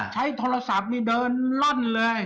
ใช้โทรศัพท์นี่เดินล่อนเลย